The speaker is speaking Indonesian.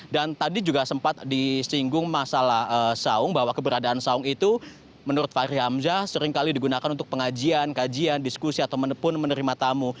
dan tadi juga sempat disinggung masalah saung bahwa keberadaan saung itu menurut fahri hamzah seringkali digunakan untuk pengajian kajian diskusi ataupun menerima tamu